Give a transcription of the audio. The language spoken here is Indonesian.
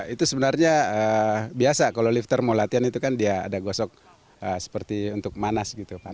itu sebenarnya biasa kalau lifter mau latihan itu kan dia ada gosok seperti untuk manas gitu kan